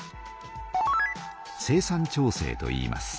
生産調整といいます。